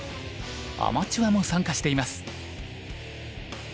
アマチュアも参加しています。